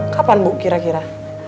kapan bu kira kira